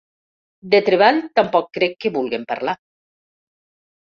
De treball tampoc crec que vulguen parlar.